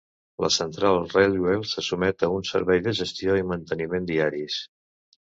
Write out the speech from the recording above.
La Central Railway se sotmet a un servei de gestió i manteniment diaris.